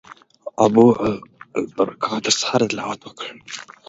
ابوالبرکات تر سهاره تلاوت وکړ.